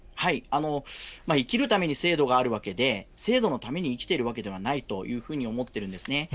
生きるために制度があるわけで、制度のために生きているわけではないというふうに思ってるんですね。